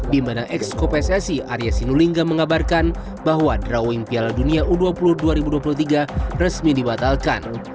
di mana ex kopssi arya sinulinga mengabarkan bahwa drawing piala dunia u dua puluh dua ribu dua puluh tiga resmi dibatalkan